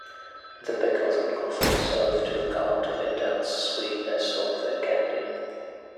The pickles and coffee serve to counter the intense sweetness of the candy.